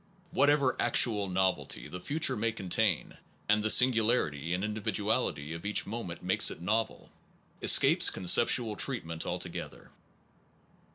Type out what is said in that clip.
Whatever actual novelty the future may contain (and the singularity and individu ality of each moment makes it novel) escapes conceptual treatment altogether.